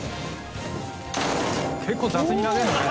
結構雑に投げるね。